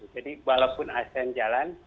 jadi walaupun asn jalan